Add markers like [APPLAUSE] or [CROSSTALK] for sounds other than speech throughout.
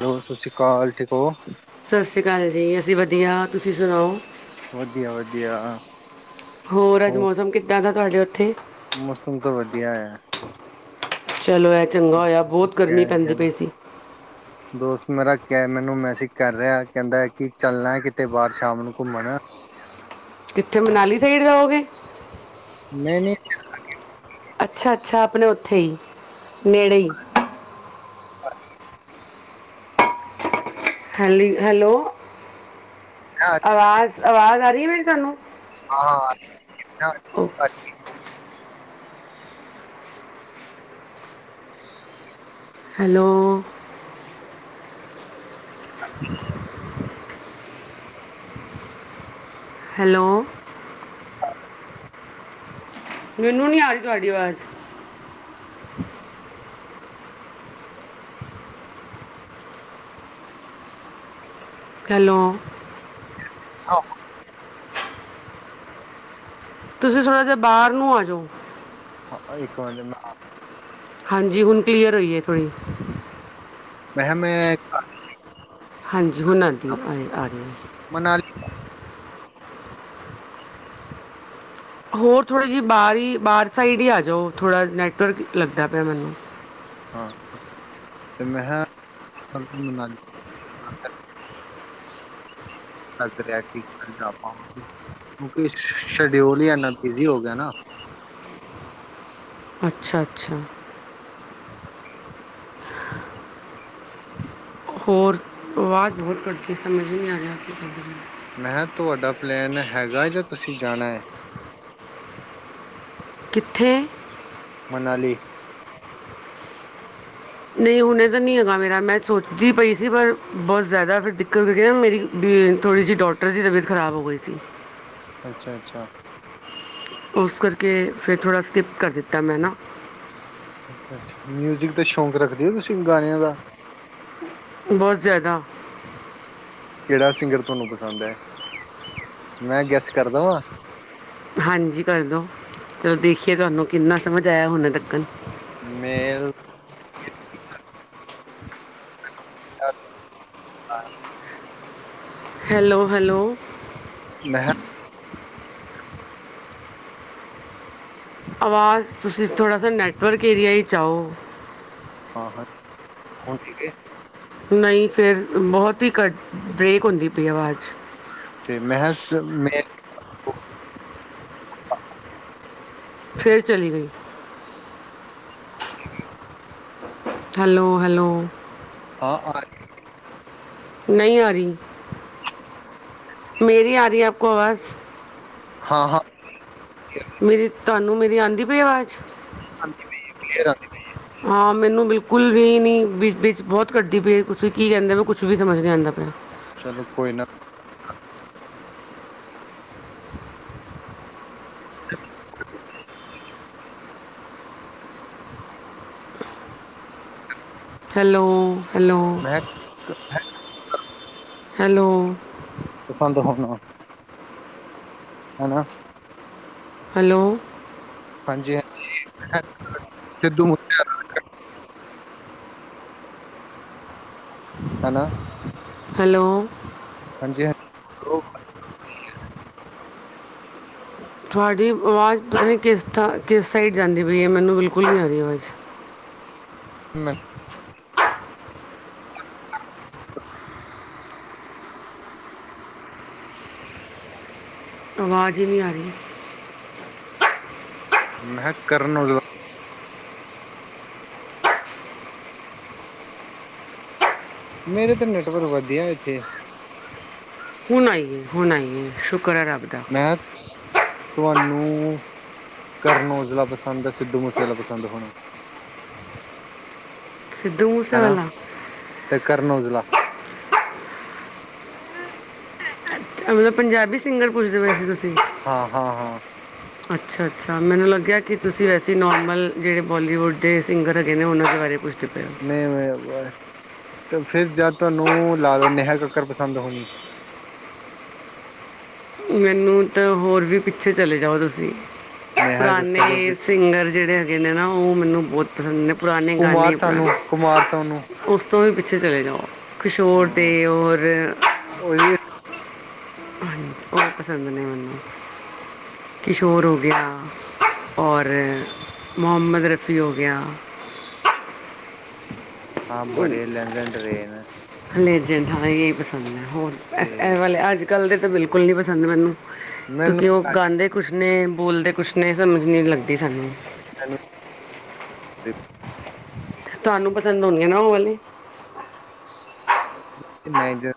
Hello, ਸਤਿ ਸ੍ਰੀ ਅਕਾਲ, ਠੀਕ ਹੋ। ਸਤਿ ਸ੍ਰੀ ਅਕਾਲ ਜੀ, ਅਸੀਂ ਵਧੀਆ ਤੁਸੀਂ ਸੁਣਾਉ। ਵਧੀਆ ਵਧੀਆ। ਹੋਰ, ਅੱਜ ਮੌਸਮ ਕਿੱਦਾਂ ਦਾ ਤੁਹਾਡੇ ਉੱਥੇ ਮੌਸਮ ਤੋਂ ਵਧੀਆ ਆ। ਚਲੋ ਇਹ ਚੰਗਾ ਹੋਇਆ, ਬਹੁਤ ਗਰਮੀ ਕਹਿ ਪੈਂਦੀ ਰਿਹਾ ਪਈ ਸੀ। ਦੋਸਤ ਮੇਰਾ ਕਹਿ ਮੈਨੂੰ ਮੈਸੇਜ ਕਰ ਰਿਹਾ, ਕਹਿੰਦਾ ਕਿ ਚੱਲਣਾ ਕਿਤੇ ਬਾਹਰ ਸ਼ਾਮ ਨੂੰ ਘੁੰਮਣ ਕਿੱਥੇ ਮਨਾਲੀ ਸਾਈਡ ਜਾਉਗੇ? ਨਹੀਂ ਨਹੀਂ ਅੱਛਾ, ਅੱਛਾ ਆਪਣੇ ਉੱਥੇ ਹੀ ਨੇੜੇ ਹੀ [UNINTELLIGIBLE] ਹਲੀ, ਹੈਲੋ। ਹਾਂ ਆਵਾਜ਼ ਆਵਾਜ਼ ਆ ਰਹੀ ਕਿਵੇਂ ਨੇ ਤੁਹਾਨੂੰ ਹਾਂ, ਓ [INAUDIBLE] ਹੈਲੋ। ਹੈਲੋ। ਮੈਨੂੰ ਨੀ ਆ ਰਹੀ ਤੁਹਾਡੀ ਆਵਾਜ਼। ਹੈਲੋ। [UNINTELLIGIBLE] ਤੁਸੀਂ ਥੋੜਾ ਜਿਹਾ ਬਾਹਰ ਨੂੰ ਹੋ ਜਾਉ। ਹਾਂ ਇੱਕ ਮਿੰਟ ਮੈਂ ਹਾਂਜੀ, ਹੁਣ ਕਲੀਅਰ ਹੋਈ ਹੈ ਥੋੜ੍ਹੀ। ਮੈ ਹਾ ਮੈਂ। ਹਾਂਜ [UNINTELLIGIBLE] ਦੀ ਐ ਮਨਾਲੀ ਹੋਰ ਥੋੜ੍ਹੇ ਜੀ ਬਾਰੀ ਬਾਰ ਸਾਈਡ ਈ ਆਜੋ ਥੋੜ੍ਹਾ ਨੈੱਟਵਰਕ ਲੱਗਦਾ ਪਿਆ ਮੈਨੂੰ ਹਾਂ ਤੇ ਮੈਂ ਹਾ [UNINTELLIGIBLE] ਲੱਗ ਰਿਆ ਕਿ ਕੱਲ ਜਾ ਪਾਵਾਗੇ ਕਿਉਂਕਿ ਸ਼ਡਿਊਲ ਈ ਐਨਾ ਬਿਜ਼ੀ ਹੋ ਗਿਆ ਨਾ ਅੱਛਾ-ਅੱਛਾ, ਹੋਰ ਆਵਾਜ਼ ਬਹੁਤ ਕਟਦੀ ਸਮਝ ਈ ਨੀ ਰਿਹਾ [UNINTELLIGIBLE] ਮੈਂਹਾਂ ਤੁਹਾਡਾ ਪਲੇੈਨ ਹੈਗਾ ਜਾਂ ਤੁਸੀਂ ਜਾਣਾ ਐ? ਕਿੱਥੇ? ਮਨਾਲੀ। ਨਈ ਹੁਣੇ ਤਾਂ ਨੀ ਹੈਗਾ ਮੇਰਾ ਮੈਂ ਸੋਚਦੀ ਪਈ ਸੀ ਪਰ ਬੋਤ ਜਾਦਾ ਫਿਰ ਦਿੱਕਤ ਹੋ ਗਈ [UNINTELLIGIBLE] ਮੇਰੀ ਵੀ ਥੋੜ੍ਹੀ ਜੀ ਡੋਟਰ ਦੀ ਤਬੀਅਤ ਖ਼ਰਾਬ ਹੋ ਗਈ ਸੀ। ਅੱਛਾ-ਅੱਛਾ, ਉਸ ਕਰਕੇ ਫਿਰ ਥੋੜ੍ਹਾ ਸਕਿੱਪ ਕਰ ਦਿੱਤਾ ਮੈਂ ਨਾ। ਅੱਛਾ ਮਿਊਜਿਕ ਦਾ ਸ਼ੌਂਕ ਰੱਖਦੇ ਔ ਤੁਸੀਂ ਗਾਣਿਆਂ ਦਾ? ਬਹੁਤ ਜਾਦਾ। ਕਿਹੜਾ ਸਿੰਗਰ ਤੁਹਾਨੂੰ ਪਸੰਦ ਐ ਮੈਂ ਗੈਸ ਕਰ ਦੇਵਾਂ? ਹਾਂਜੀ ਕਰਦੋ ਚਲੋ ਦੇਖੀਏ ਤੁਹਾਨੂੰ ਕਿੰਨਾ ਸਮਝ ਆਇਆ ਹੁਣ ਤੱਕਨ, ਮੇਲ਼ ਹਾਂ, ਹੈਲੋ-ਹੈਲੋ। ਮੈਂਹਾ, ਆਵਾਜ਼ ਤੁਸੀਂ ਥੋੜਾ ਸਾ ਨੈੱਟਵਰਕ ਏਰੀਆ ਕ ਆਓ। ਹਾਂ ਹੁਣ ਠੀਕ ਏ? ਨਈ ਫਿਰ ਬੋਹਤ ਹੀ ਘੱਟ ਬ੍ਰੇਕ ਹੁੰਦੀ ਪਈ ਆਵਾਜ਼ 'ਚ, ਤੇ ਮੈਂਹਾ ਸ [UNINTELLIGIBLE] ਫੇਰ ਚਲੀ ਗਈ। ਹੈਲੋ-ਹੈਲੋ, ਹਾਂ ਆਰੀ, ਨਈ ਆਰੀ ਮੇਰੀ ਆਰੀ ਐ ਆਪਕੋ ਆਵਾਜ਼, ਹਾਂ-ਹਾਂ, ਮੇਰੀ ਤੁਹਾਨੂੰ ਮੇਰੀ ਆਂਦੀ ਪਈ ਆਵਾਜ਼, ਆਂਦੀ ਪਈ ਐ ਕਲੀਅਰ ਆਂਦੀ ਪਈ ਐ। ਹਾਂ ਮੈਨੂੰ ਬਿਲਕੁੱਲ ਵੀ ਨੀ ਵਿੱਚ ਬਹੁਤ ਕਟਦੀ ਪਈ ਤੁਸੀ ਕੀ ਕਹਿੰਦੇ ਪਏ ਔ ਕੁੱਛ ਵੀ ਸਮਝ ਨੀ ਆਂਦਾ ਪਿਆ। ਚਲੋ ਕੋਈ ਨਾ। [UNINTELLIGIBLE] ਹੈਲੋ। Hello ਮੈਂਹਾ [UNINTELLIGIBLE] hello. ਤੇ ਬੰਦ ਹੋਣਾ। ਹੈਨਾ। ਹੈਲੋ। ਹਾਂਜੀ-ਹਾਂਜੀ ਮੈਂਹਾ ਸਿੱਧੂ ਮੂਸੇਆਲਾ। ਹਨਾ, ਹੈਲੋ। ਹਾਂਜੀ ਹਾਂ [UNINTELLIGIBLE] ਤੁਹਾਡੀ ਆਵਾਜ਼ ਪਤਾ ਨਹੀਂ ਕਿਸ ਥਾਂ ਕਿਸ ਸਾਈਡ ਜਾਂਦੀ ਪਈ ਹੈ ਮੈਨੂੰ ਬਿਲਕੁਲ ਨਹੀਂ ਆ ਰਹੀ ਆਵਾਜ਼ [INAUDIBLE] ਆਵਾਜ਼ ਹੀ ਨਹੀਂ ਆ ਰਹੀ ਮੈਂ ਹਾ ਕਰਨ ਔਜਲਾ ਮੇਰੇ ਤਾਂ ਨੈਟਵਰਕ ਵਧੀਆ ਇੱਥੇ ਹੁਣ ਆਈ ਐ ਹੁਣ ਆਈ ਐ ਕਰ ਰੱਬਦਾ ਮੈਂ ਤੁਹਾਨੂੰ ਕਰਨ ਔਜਲਾ ਪਸੰਦ ਹੈ ਸਿੱਧੂ ਮੁਸੇਵਾਲਾ ਪਸੰਦ ਹੋਣਾ ਸਿੱਧੂ ਹਨਾ ਮੂਸੇਵਾਲਾ ਤੇ ਔਜਲਾ ਮਤਲਬ ਪੰਜਾਬੀ ਸਿੰਗਰ ਪੁੱਛਦੇ ਪਏ ਸੀ ਤੁਸੀਂ ਹਾਂ-ਹਾਂ ਹਾਂ ਅੱਛਾ-ਅੱਛਾ ਮੈਨੂੰ ਲੱਗਿਆ ਕਿ ਤੁਸੀਂ ਵੈਸੇ ਨੋਰਮਲ ਜਿਹੜੇ ਬਾਲੀਵੁੱਡ ਦੇ ਸਿੰਗਰ ਹੈਗੇ ਨੇ ਉਹਨਾਂ ਦੇ ਬਾਰੇ ਪੁੱਛ ਨਹੀਂ ਮਏ ਤੇ ਫਿਰ ਜਦ ਤੁਹਾਨੂੰ ਲਾ ਲਓ ਨੇਹਾ ਕੱਕਰ ਪਸੰਦ ਹੋਣੀ ਮੈਨੂੰ ਤਾਂ ਹੋਰ ਵੀ ਪਿੱਛੇ ਚਲੇ ਜਾਓ ਤੁਸੀਂ ਨੇਹਾ ਕੱਕਰ ਪੁਰਾਣੇ ਤੋਂ ਸਿੰਗਰ ਜਿਹੜੇ ਹੈਗੇ ਨੇ ਨਾ ਉਹ ਮੈਨੂੰ ਬਹੁਤ ਪਸੰਦ ਪੁਰਾਣੇ ਕੁਮਾਰ ਗਾਣੇ ਸਾਨੂੰ ਪੁਰਾਣੇ ਕੁਮਾਰ ਸੋਨੂੰ ਉਸ ਤੋਂ ਵੀ ਪਿੱਛੇ ਚਲੇ ਜਾਓ ਕਿਸ਼ੋਰ ਦੇ ਹੂੰ ਔਰ ਉਹ ਬੇ ਪਸੰਦ ਨੇ ਮੈਨੂੰ ਕਿਸ਼ੋਰ ਹੋ ਗਿਆ ਔਰ ਮੁਹੰਮਦ ਰਫੀ ਹੋ ਗਿਆ ਹਾਂ ਬੜੇ ਲੈਂਜਨ ਡਰੇ ਨੇ ਲੈਜੈਂਟ ਹ ਇਹ ਹੀ ਪਸੰਦ ਹੈ ਹੋਰ ਤੇ ਇਸ ਵਾਲੇ ਅੱਜ ਕੱਲਲ ਦੇ ਤਾਂ ਬਿਲਕੁਲ ਨਹੀਂ ਪਸੰਦ ਮੈਨੂੰ ਮੈਨੂੰ ਕਿਉਂਕਿ ਉਹ ਗਾਉਦੇ ਕੁਛ ਨੇ ਬੋਲਦੇ ਕੁਛ ਸੀ ਸਮਝ ਨਹੀਂ ਲੱਗਗੀ ਚਲੋ ਤੁਹਾਨੂੰ ਪਸੰਦ ਆਉਦੀਆਂ ਨਾ ਉਹ ਵਾਲੀ ਮੈਨੇਜਰ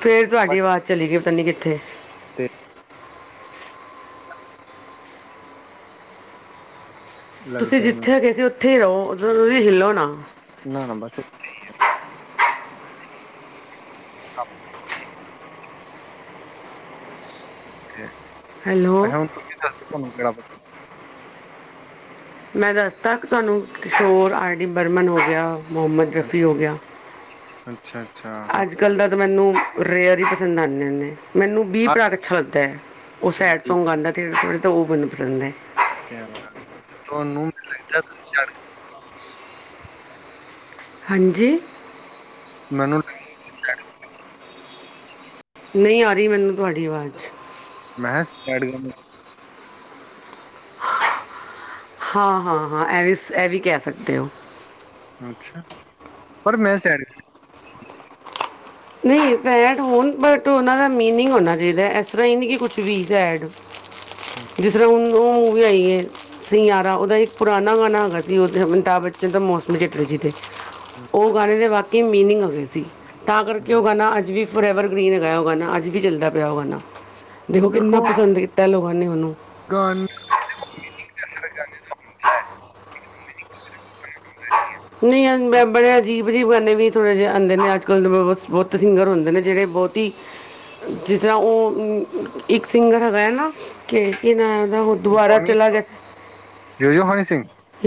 ਫਿਰ ਤੁਹਾਡੀ ਆਵਾਜ਼ ਚਲੀ ਗਈ ਤਾਂ ਨਹੀਂ ਕਿੱਥੇ ਤੇ ਤੁਸੀਂ ਲੱਗਦੇ ਨੇ ਜਿੱਥੇ ਹੈ ਗਏ ਸੀਥੇ ਉੱਥੇ ਹੀ ਰਹੋ ਹਿੱਲੋ ਨਾ ਨਾ-ਨਾ ਬਸ ਏਥੇ ਹੀ ਆ [INAUDIBLE] [INAUDIBLE] ਅੱਛਾ ਹੈਲੋ ਹਣ ਤੁਸੀਂ ਦਸੋ ਤੁਹਾਨੂੰਪਤਾ ਮੈਂ ਦੱਸਤਾ ਕਿ ਤੁਹਾਨੂੰ ਕਿਸ਼ੋਰ ਆਰ ਡੀ ਬਰਮਨ ਹੋ ਗਿਆ ਮੁਹਮਦ ਰਫੀ ਹੋ ਗਿਆ ਅੱਛਾ ਅੱਛਾ ਹਾਂ ਅੱਜ ਕੱਲ੍ਹ ਤਾਂ ਤਾਂ ਮੈਨੂੰ ਰੇਅਰ ਹੀ ਪਸੰਦ ਆਉਂਦੇ ਹਦੇ ਮੈਨੂੰ ਵੀਹ ਆਹ ਪ੍ਰਰਾਕ ਅੱਛਾ ਲੱਗਦਾ ਹੈ ਉਹ ਸੈਡ ਸੌਗ ਗਾਉਂਦਾਥੋ੍ਹੇ ਥੋੜ੍ਹੇ ਤਾਂ ਉਹ ਮਨ ਪਸੰਦ ਹੈ ਤੁਾਨੂੰ ਮ ਲੱਦਾ ਹਾਂਜੀ ਮੈਨੂੰ ਨਹੀਂ ਆ ਰਹੀ ਮੈਨੂੰ ਤੁਹਾਡੀ ਆਵਾਜ਼ ਮੈਂ ਕਿਹਾ ਸਟਾਰਟ ਕਰ ਹਾਂ ਹਾਂ ਹਾਂ ਇਹ ਵੀ ਇਹ ਵੀ ਕਹਿ ਸਕਦੇ ਹੋ ਅੱਛਾ ਪਰ ਮੈਂ ਸ ਨਹੀਂ ਸੈਡ ਹੋਣ ਬਟ ਉਹਨਾਂ ਦਾ ਮੀਨਿੰਗ ਹੋਣਾ ਚਾਹੀਦਾ ਇਸ ਤਰ੍ਹਾਂ ਹੀ ਨਹੀਂ ਕਿ ਕੁਛ ਵੀ ਸੈਡ ਜਿਸ ਤਰ੍ਹਾਂ ਹੁਣ ਉਹ ਮੂਵੀ ਆਈ ਹੈ ਸੰਯਾਰਾ ਉਹਦਾ ਇੱਕ ਪੁਰਾਣਾ ਗਾਣਾ ਹੈਗਾ ਸੀ ਉਹਦੇ ਅਮਿਤਾਭ ਬੱਚਨ ਦਾ ਮੌਸਮ ਚੱਟਲ ਜੀ 'ਤੇ ਉਹ ਗਾਣੇ ਦੇ ਬਾਕੀ ਕੀ ਮੀਨਿੰਗ ਹੋਵੇ ਸੀ ਤਾਂ ਕਿਉਂ ਅੱ ਵੀ ਫੋਰ ਐਵਰ ਸਕਰੀਨ ਗਾਇਆ ਉਹ ਗਾ ਅੱਜ ਵੀ ਚੱਲਦਾ ਪਿਆ ਉਹ ਗਾਣਾ ਦੇਖੋ ਕਿੰਨਾ ਪਸੰਦ ਕੀਤਾ ਲੋਕ ਉਹ ਨਹੀਂ ਹਨੂੰ ਗਣ [INAUDIBLE] ਜਾ ਦਾ [INAUDIBLE] ਨਹੀਂ ਬੜੇ ਅਜੀਬ ਅਜੀਬ ਗਾਣੇ ਵੀ ਥੋੜੇ ਜਿਹੇ ਆਉਂਦੇ ਨੇ ਅੱਜ ਕੱਲ ਦੇ ਬਹੁਤ ਸਿੰਗਰ ਹੁੰਦੇ ਨੇ ਜਿਹੜੇ ਬਹੁਤ ਹੀ ਜਿਸ ਤਰ੍ਹਾਂ ਉਹ ਇੱਕ ਸਿੰਗਰ ਹੈਗਾ ਹੈ ਨਾ ਕਿ ਇਹ ਨਾ ਹ ਦੁਬਾਰਾ ਚਲਾ ਗਿਆ ਸੀ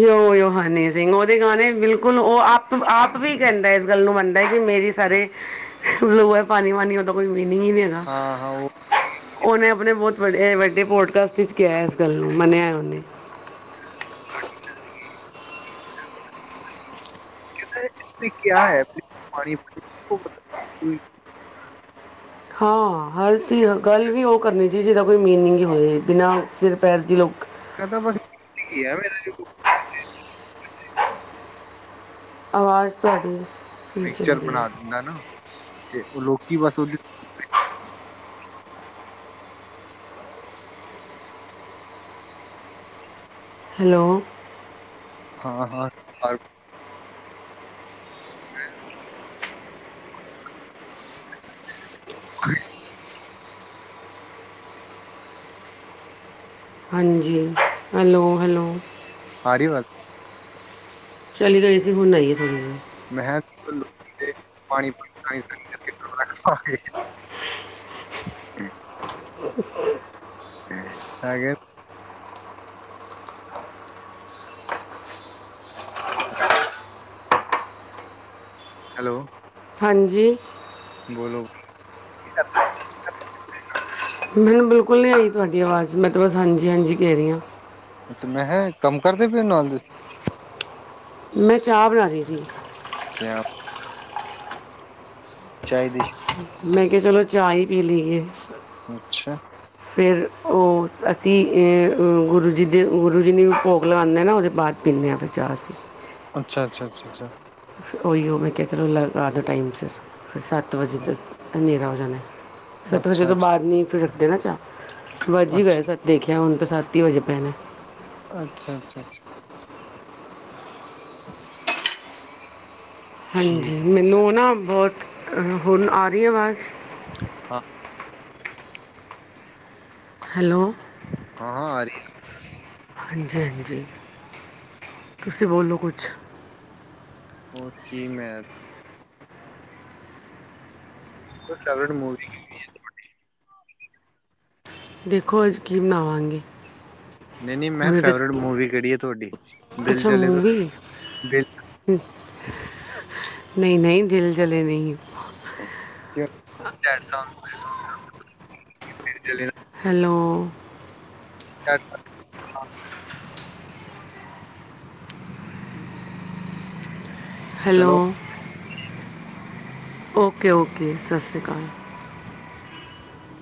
ਯਓ ਯਓ ਹਨੀ ਸਿੰਘ ਉਹਦੇ ਗਾਣੇ ਬਿਲਕੁਲ ਉਹ ਆਪ ਆਪ ਵੀ ਕਹਿੰਦਾ। ਇਸ ਗੱਲ ਨੂੰ ਮੰਨ ਕਿ ਮੇਰੇ ਸਾਰੇ ਲੋ ਹੈ ਪਾਣੀ ਵਣੀ ਉਹਦਾ ਕੋਈ ਬ ਬ [INAUDIBLE] ਵੱਡੀ ਪੋਡਕਾਸਟ ਜ਼ ਕਿਹਾ ਇਸ ਗੱਲ ਨੂੰ ਮੰਨਿਆ ਇ ਉਹਨੇ [INAUDIBLE] ਕਿਆ ਹੈ ਪਾਣੀ ਹਾਂ ਹਰ ਚੀਜ਼ ਗੱਲ ਵੀ ਉਹ ਕਰਨੀ ਚਾਹੀ ਜਿਹਦਾ ਕੋਈ ਮੀਨਿੰਗ ਹੀ ਹੋਏ ਬਿਨਾਂ ਸਿਰ ਪੈਰ ਦੀ ਲੋਕ ਕ ਤਾਂ ਬਸ ਅੱਛਾ ਆਵਾਜ਼ ਤੁਹਾਡੀ ਇਹ ਚਲੀ ਮਿਕਚਰ ਗਈ ਬਣਾ ਦਿੰਦਾ ਨਾ, ਤੇ ਉਹ ਰੋਕੀ ਬਸ ਉਹਦੀ। ਹੈਲੋ ਹਾਂ -ਹਾਂ [INAUDIBLE] ਹਾਂਜੀ, ਹੈਲੋ, ਹੈਲੋ। ਆਰੀ ਵੱਲ ਚਲੀ ਗਏ ਸੀ। ਹੁਣ ਆਈ ਏ ਥੋੜੀ ਜੀ, ਮੈਂ ਕਿਹਾ ਪਾਣੀ ਪਾਣੀ ਕੇ ਰੱਖ [UNINTELLIGIBLE] ਅੱ [UNINTELLIGIBLE] [INAUDIBLE] ਸਾਗਰ ਹੈਲੋ ਹਾਂਜੀ ਬੋਲੋ, ਕੀ ਕਰਦੇ ਮੈਨੂੰ ਬਿਲਕੁਲ ਨਹੀਂ, ਆਈ ਤੁਹਾਡੀ ਆਵਾਜ਼ ਮੈਂ ਤਾਂ ਬਸ ਹਾਂਜੀ, ਹਾਂਜੀ ਕਹਿ ਰਹੀ ਆਂ। ਇਹਦੇ ਪਨ ਦੱਸ [UNINTELLIGIBLE] ਮੈਂ ਚਾਹ ਬਣਾ ਰਹੀ ਸੀ। ਕਿਆ ਅਪ ਦੀ ਮੈਂ ਕਿਹਾ, ਚਲੋ ਚਾਹ ਹੀ ਪੀ ਲਈਏ। ਅੱਛਾ। ਫਿਰ ਉਹ ਅਸੀਂ ਏ ਅ ਗੁਰੂ ਜੀ ਦੇ ਗੁਰੂ ਜੀ ਨੂੰ ਵੀ ਭੋਗ ਲਗਾਉਂਦੇ ਨਾ, ਉਹਦੇ ਬਾਅਦ ਪੀਂਦੇ ਹਾਂ ਫਿਰ ਚਾਹ ਅਸੀਂ। ਅੱਛਾ, ਅੱਛਾ, ਅੱਛਾ, ਅੱਛਾ। ਉਹੀਓ ਮੈਂ ਕਿਹਾ ਚਲੋ ਲਗਾ ਦਿਓ, ਟਾਈਮ ਸਿਰ ਫਿਰ ਸੱਤ ਵਜੇ ਤੱਕ ਹਨੇਰਾ ਹੋ ਜਾਣਾ। ਸਤ ਵਜੇ ਅੱਛਾ ਅੱਛਾ ਤੋਂ ਬਾਅਦ ਨੀ ਫਿਰ ਦੇਣਾ ਚਾਹ ਵੱਜ ਹੀ ਗਏ ਅੱਛਾ ਸੱਤ ਦੇਖਿਆ ਹੁਣ। ਬਸਾਤੀ ਹੋਜੇ ਪੈਣਾ ਅੱਛਾ, ਅੱਛਾ, ਅੱਛਾ ਸ਼ਾਂ ਹਾਂਜੀ, ਠੀਕ ਹੈ ਮੈਨੂੰ ਨਾ ਬਹੁਤ ਹੁਣ, ਆ ਰਹੀ ਆਵਾਜ਼ ਹਾਂ ਹੈਲੋ ਹਾਂ -ਹਾਂ ਆ ਰਹੀ ਏ ਹਾਂਜੀ, ਹਾਂਜੀ ਹੈ ਤੁਸੀਂ ਬੋਲੋ ਕੁਛ? ਹੋਰ ਕੀ ਮੈਂ ਕੁਝ ਟ੍ਰੇਗੜ ਮੂਵੀ ਹੈਗੀ ਏ ਤੁਹਾਡੀ? ਦੇਖੋ, ਅੱਜ ਕੀ ਬਣਾਵਾਂਗੀ। ਨਹੀਂ, ਨਹੀਂ ਮੈਂ ਫੇਵਰਟ ਮੂਵੀ ਕਿਹੜੀ ਹੈ। ਤੁਹਾਡੀ ਦਿਲ ਅੱਛਾ ਜਲੇ ਤੋਂ ਮੂਵੀ ਦਿਲ ਨਹੀਂ, ਨਹੀਂ ਦਿਲ ਜਲੇ ਨਹੀਂ ਏ। ਤੁਸੀਂ ਸੁਣ [UNINTELLIGIBLE] ਚਲ ਹੈਲੋ ਅੱਛਾਛਾ ਹੈਲੋ ਚਲੋ ਓਕੇ ਓਕੇ। ਸਤਿ ਸ਼੍ਰੀ ਅਕਾਲ